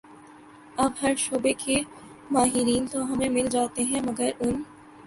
اب ہر شعبے کے ماہرین تو ہمیں مل جاتے ہیں مگر ان